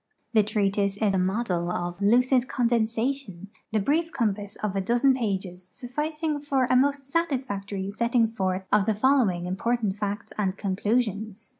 The treatise is a model of lucid condensation, the brief compass of a dozen pages sufficing for a most sat isfactory setting forth of the following important facts and conclusions, viz.